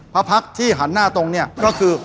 พักที่หันหน้าตรงเนี่ยก็คือ